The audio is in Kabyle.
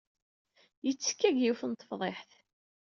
Yettekka deg yiwet n tefḍiḥt.